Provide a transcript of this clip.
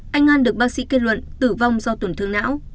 anh an được bác sĩ kết luận tử vong do tổn thương não